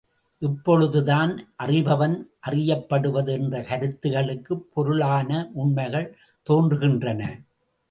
இப்பொழுதுதான் அறிபவன், அறியப்படுவது என்ற கருத்துக்களுக்குப் பொருளான உண்மைகள் தோன்றுகின்றன.